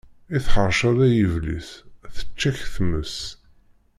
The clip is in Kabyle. I tḥeṛceḍ ay iblis, tečča k-tmes.